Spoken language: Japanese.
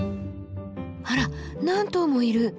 あら何頭もいる！